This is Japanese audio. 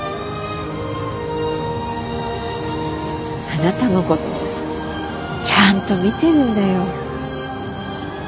あなたのことちゃんと見てるんだよ。